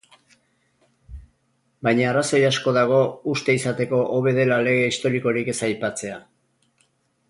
Baina arrazoi asko dago uste izateko hobe dela lege historikorik ez aipatzea.